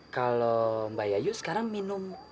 kalau mbak yayu sekarang minum